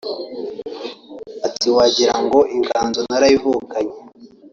Ati “Wagira ngo inganzo narayivukanye